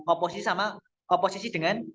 oposisi sama oposisi dengan